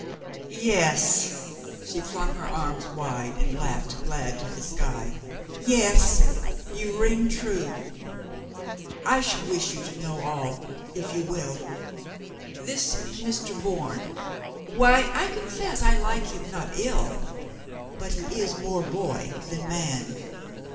"Yes!" She flung her arms wide and laughed glad to the sky. "Yes, you ring true. I should wish you to know all, if you will. This Mr. Bourne, why, I profess I like him not ill, but he is more boy than man.